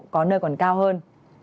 có nơi còn cao hơn